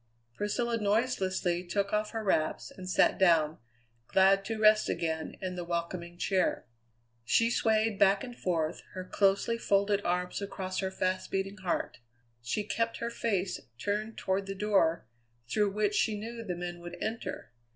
Priscilla noiselessly took off her wraps and sat down, glad to rest again in the welcoming chair. She swayed back and forth, her closely folded arms across her fast beating heart. She kept her face turned toward the door through which she knew the men would enter.